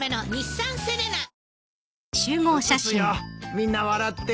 みんな笑って。